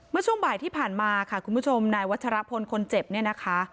เมื่อช่วงบ่ายที่ผ่านมาค่ะครุงผู้ชมในวัฒระพลคนเจ็บเนี่ยนะคะ